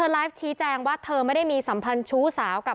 ไลฟ์ชี้แจงว่าเธอไม่ได้มีสัมพันธ์ชู้สาวกับ